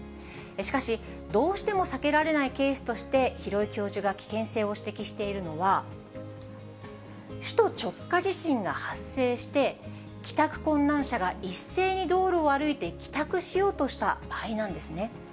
しかし、どうしても避けられないケースとして、廣井教授が危険性を指摘しているのは、首都直下地震が発生して、帰宅困難者が一斉に道路を歩いて帰宅しようとした場合なんですね。